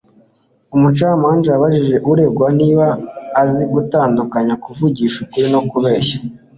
Umucamanza yabajije uregwa niba azi gutandukanya kuvugisha ukuri no kubeshya.